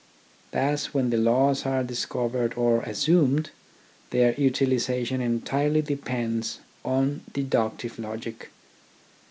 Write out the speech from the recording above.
Thus when the laws are dis covered or assumed, their utilisation entirely depends on deductive logic.